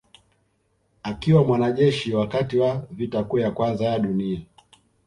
Akiwa mwanajeshi wakati wa vita kuu ya kwanza ya dunia